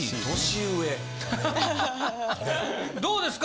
どうですか？